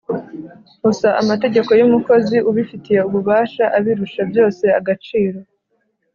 usa amategeko yumukozi ubifitiye ububasha abirusha byose agaciro